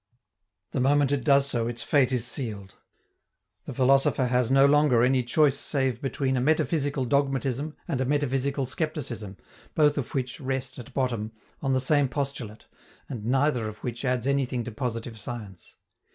The moment it does so, its fate is sealed. The philosopher has no longer any choice save between a metaphysical dogmatism and a metaphysical skepticism, both of which rest, at bottom, on the same postulate, and neither of which adds anything to positive science.